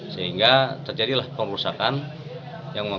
sehingga terjadilah pengurusakan yang memakai